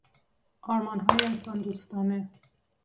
آرمانهای انسان دوستانه